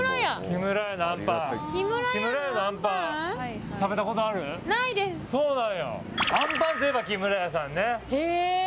あんパンといえば木村家さんね。